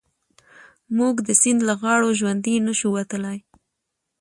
موږ د سيند له غاړو ژوندي نه شو وتلای.